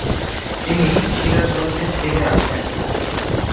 তিনি সিরাজগঞ্জে ফিরে আসেন।